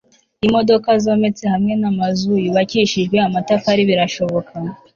y'imodoka zometse hamwe n'amazu yubakishijwe amatafari birashoboka